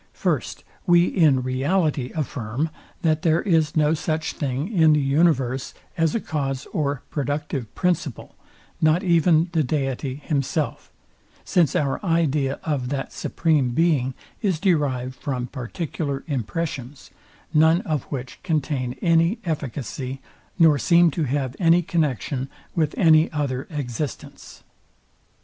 First, We in reality affirm, that there is no such thing in the universe as a cause or productive principle, not even the deity himself; since our idea of that supreme Being is derived from particular impressions, none of which contain any efficacy, nor seem to have any connexion with any other existence.